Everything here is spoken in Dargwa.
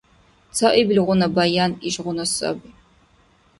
Цаибилгъуна баян ишгъуна саби.